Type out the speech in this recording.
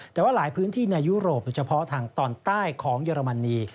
แต่ว่าหลายพื้นที่ในยุโรปโดยเฉพาะทางตอนใต้ของเยอรมนี